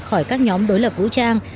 khỏi các nhóm đối lập vũ trang